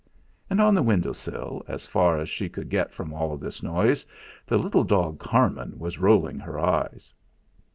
And, on the window sill, as far as she could get from all this noise, the little dog Carmen was rolling her eyes.